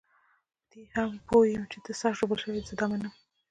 په دې هم پوه یم چې ته سخت ژوبل شوی یې، زه دا منم.